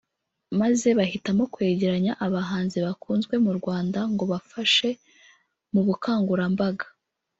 maze bahitamo kwegeranya abahanzi bakunzwe mu Rwanda ngo bafashe mu bukangurambaga